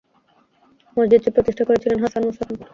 মসজিদটি প্রতিষ্ঠা করেছিলেন হাসান মুসা খান।